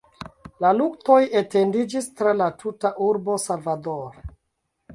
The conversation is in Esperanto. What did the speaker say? La luktoj etendiĝis tra la tuta urbo Salvador.